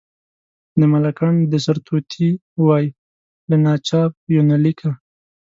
د ملکنډ د سرتوتي وی، له ناچاپ یونلیکه.